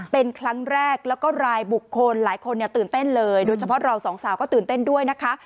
เป็นครั้งแรกแล้วก็รายบุคคลหลายคนเนี่ยตื่นเต้นเลยโดยเฉพาะเราสองสาวก็ตื่นเต้นด้วยนะคะ